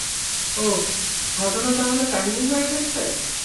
ওহ, ঘটনা তাহলে কাহিনী হয়ে গেছে?